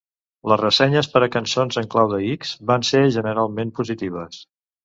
Les ressenyes per a "Cançons en clau de X" van ser generalment positives.